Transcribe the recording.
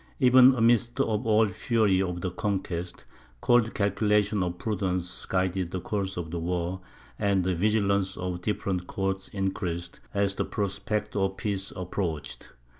Even amidst all the fury of the conquest, cold calculations of prudence guided the course of the war, and the vigilance of the different courts increased, as the prospect of peace approached.